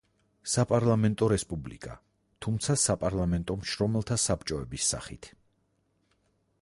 საპარლამენტო რესპუბლიკა, თუმცა საპარლამენტო მშრომელთა საბჭოების სახით.